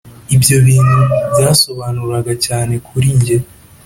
ibyo bintu byasobanuraga cyane kuri njye